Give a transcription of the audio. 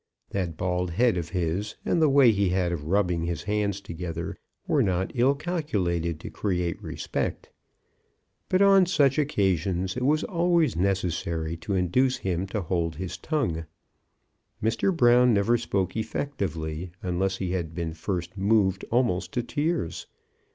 That bald head of his, and the way he had of rubbing his hands together, were not ill calculated to create respect. But on such occasions it was always necessary to induce him to hold his tongue. Mr. Brown never spoke effectively unless he had been first moved almost to tears.